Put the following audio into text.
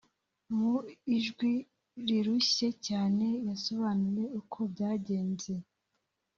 Mu ijwi rirushye cyane yasobanuye uko byagenze